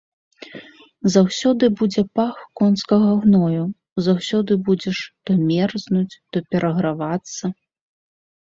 Заўсёды будзе пах конскага гною, заўсёды будзеш то мерзнуць, то перагравацца.